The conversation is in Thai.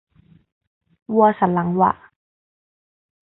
วัวสันหลังหวะ